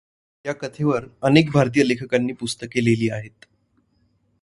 या कथेवर अनेक भारतीय लेखकांनी पुस्तके लिहिली आहेत.